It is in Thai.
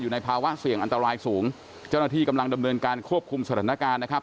ในภาวะเสี่ยงอันตรายสูงเจ้าหน้าที่กำลังดำเนินการควบคุมสถานการณ์นะครับ